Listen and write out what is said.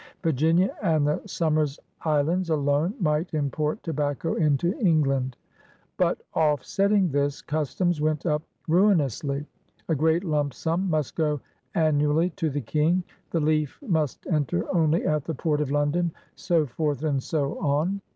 Virginia and the Somers Islands alone might import tobacco into England. But offsetting this, customs went up ruinously; a great lump sum must go annually to the King; the leaf must enter only at the port of London; so forth and so on.